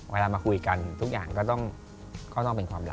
เวลามาคุยกันทุกอย่างก็ต้องเป็นความรัก